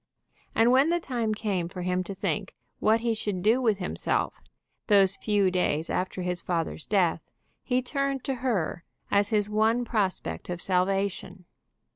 And when the time came for him to think what he should do with himself, those few days after his father's death, he turned to her as his one prospect of salvation.